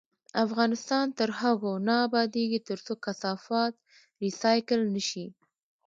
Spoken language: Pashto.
افغانستان تر هغو نه ابادیږي، ترڅو کثافات ریسایکل نشي.